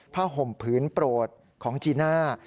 ห่มผืนโปรดของจีน่า